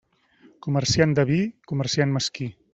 Comerciant de vi, comerciant mesquí.